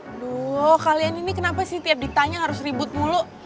aduh kalian ini kenapa sih tiap ditanya harus ribut mulu